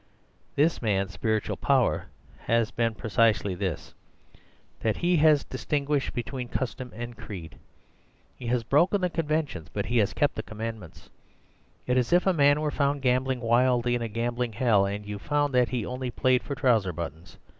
"This man's spiritual power has been precisely this, that he has distinguished between custom and creed. He has broken the conventions, but he has kept the commandments. It is as if a man were found gambling wildly in a gambling hell, and you found that he only played for trouser buttons.